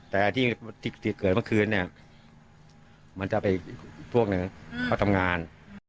แต่ที่เกิดเมื่อคืนเนี่ยมันจะไปอีกพวกหนึ่งเขาทำงาน